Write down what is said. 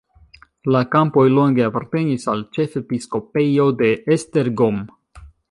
La kampoj longe apartenis al ĉefepiskopejo de Esztergom.